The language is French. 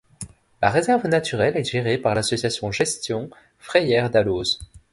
La réserve naturelle est gérée par l'Association Gestion Frayère d'Alose.